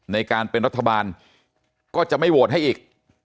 ในการเป็นรัฐบาลก็จะไม่โหวตให้อีก